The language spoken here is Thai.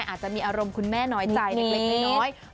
อาจจะมีอารมณ์คุณแม่น้อยใจเล็กน้อย